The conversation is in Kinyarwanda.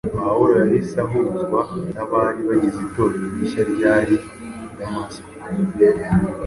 Pawulo yahise ahuzwa n’abari bagize Itorero rishya ryari i Damasiko.